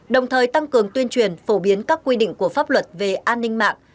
đồng thời tăng cường tuyên truyền phổ biến các quy định của pháp luật về an ninh mạng